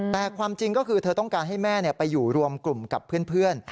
แต่ความจริงก็คือเธอต้องการให้แม่ไปอยู่รวมกลุ่มกับเพื่อน